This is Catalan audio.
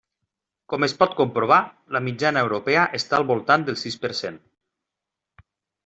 Com es pot comprovar, la mitjana europea està al voltant del sis per cent.